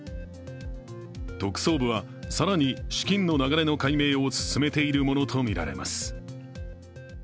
特捜部は更に資金の流れの解明を進めているものとみられます。